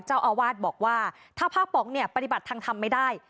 เจ้าอาวาสบอกว่าถ้าพระป๋องเนี่ยปฏิบัติทางธรรมไม่ได้